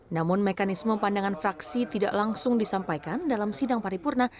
namun mekanisme pandangan fraksi tidak langsung disampaikan dalam sidang paripurna